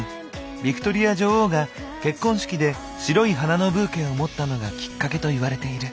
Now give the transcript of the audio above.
ヴィクトリア女王が結婚式で白い花のブーケを持ったのがきっかけといわれている。